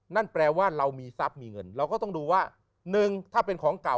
นั่นแปลว่าเรามีทรัพย์มีเงินเราก็ต้องดูว่าหนึ่งถ้าเป็นของเก่า